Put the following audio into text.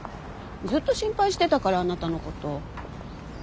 ずっと心配してたからあなたのこと。